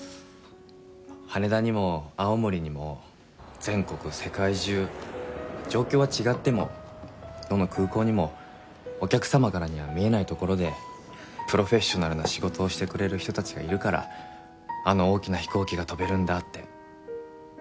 羽田にも青森にも全国世界中状況は違ってもどの空港にもお客様からには見えないところでプロフェッショナルな仕事をしてくれる人たちがいるからあの大きな飛行機が飛べるんだって。